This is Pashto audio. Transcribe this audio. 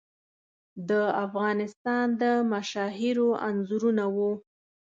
د افغانستان د مشاهیرو انځورونه وو.